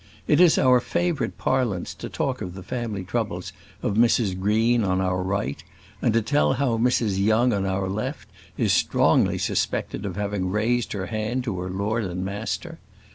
It is our favourite parlance to talk of the family troubles of Mrs Green on our right, and to tell how Mrs Young on our left is strongly suspected of having raised her hand to her lord and master.